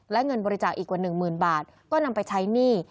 และเงินบริจาคอีกกว่า๑๐๐๐๐บาทก็นำไปใช้หนี้